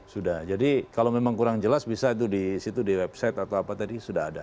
sudah jadi kalau memang kurang jelas bisa itu di situ di website atau apa tadi sudah ada